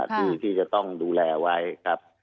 ที่จะต้องดูแลไว้ครับ